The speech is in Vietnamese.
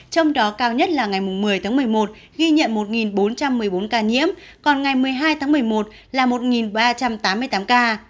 trong đó cao nhất là ngày một mươi tháng một mươi một ghi nhận một bốn trăm một mươi bốn ca nhiễm còn ngày một mươi hai tháng một mươi một là một ba trăm tám mươi tám ca